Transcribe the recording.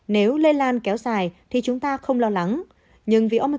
nếu lây lan kéo dài thì chúng ta không lo lắng